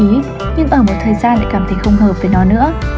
nhưng ở một thời gian lại cảm thấy không hợp với nó nữa